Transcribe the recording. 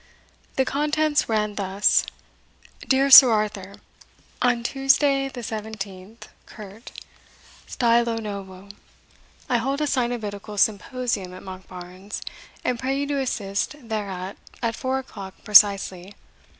The contents ran thus: "Dear Sir Arthur, "On Tuesday the 17th curt. stilo novo, I hold a coenobitical symposion at Monkbarns, and pray you to assist thereat, at four o'clock precisely.